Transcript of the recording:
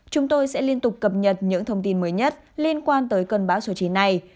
chúng tôi sẽ liên tục cập nhật những thông tin mới nhất liên quan tới cơn bão số chín này